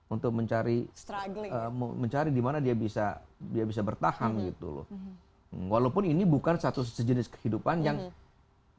untuk mencari di mana dia bisa bertahan walaupun ini bukan sejenis kehidupan yang bisa dikendalikan